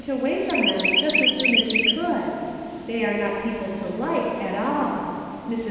83 away from them just as soon as he could. They are not people to like at all. Mrs.